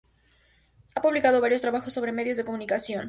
Ha publicado varios trabajos sobre medios de comunicación.